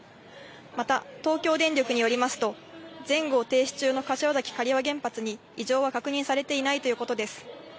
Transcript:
また、東京電力によりますと、全号停止中の柏崎刈羽原発に異常は確認されていないということです。